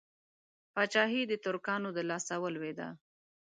پاچهي د ترکانو د لاسه ولوېده.